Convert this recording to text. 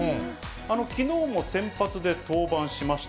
きのうも先発で登板しました。